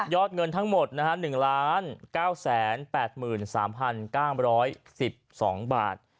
ยอดเงินทั้งหมดนะคะ๑๙๘๓๙๑๒บาท